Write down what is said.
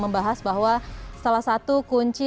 membahas bahwa salah satu kunci